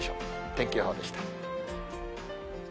天気予報でした。